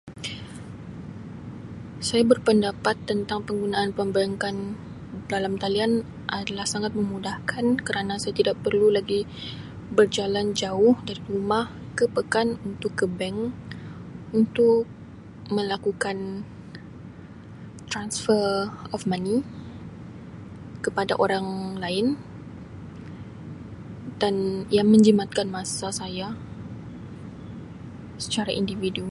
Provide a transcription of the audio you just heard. "Saya berpendapat tentang penggunaan perbankan dalam talian adalah sangat memudahkan kerana saya tidak perlu lagi berjalan jauh daripada rumah ke pekan untuk ke bank untuk melakukan ""Transfer of money"" kepada orang lain dan ia menjimatkan masa saya secara individu."